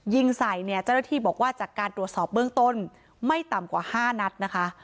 ยิงใส่เนี่ยเจ้าหน้าที่บอกว่าจากการตรวจสอบเบื้องต้นไม่ต่ำกว่า๕นัดนะคะ